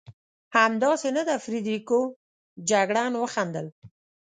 همداسې نه ده فرېدرېکو؟ جګړن وخندل.